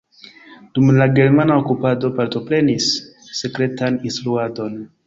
Dum la germana okupado partoprenis sekretan instruadon.